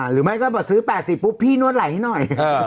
หรือไม่ก็ซื้อ๘๐ปุ๊บพี่นวดไหลให้หน่อย